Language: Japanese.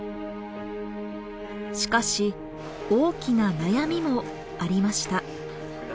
しかし大きな悩みもありました。